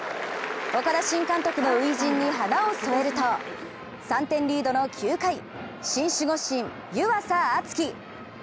岡田新監督の初陣に花を添えると３点リードの９回新守護神・湯浅京己。